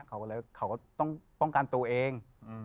เขาก็ต้องปล้องกันตัวเอง